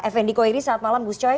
fnd koiri selamat malam buscoy